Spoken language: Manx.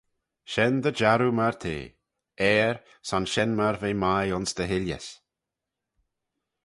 Shen dy jarroo myr t'eh, Ayr, son shen myr v'eh mie ayns dty hilley's.